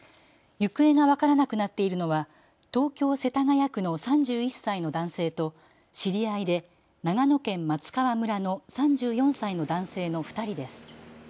行方が分からなくなっているのは東京世田谷区の３１歳の男性と知り合いで長野県松川村の３４歳の男性の２人です。